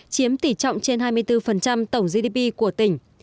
chiếm tỷ trọng trên hai mươi bốn tổng gdp của tỉnh